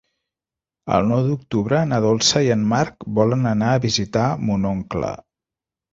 El nou d'octubre na Dolça i en Marc volen anar a visitar mon oncle.